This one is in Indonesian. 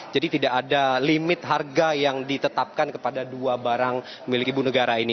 jadi tidak ada limit harga yang ditetapkan kepada dua barang milik ibu negara ini